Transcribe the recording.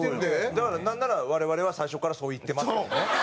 だからなんなら我々は最初からそう言ってましたよね。